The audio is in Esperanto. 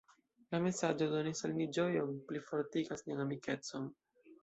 La mesaĝo donis al ni ĝojon, plifortigas nian amikecon.